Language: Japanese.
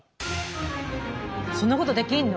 そんなことできんの？